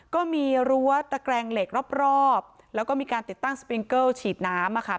ก็มีรั้วตะแกรงเหล็กรอบแล้วก็มีการติดตั้งสปริงเกิลฉีดน้ำอ่ะค่ะ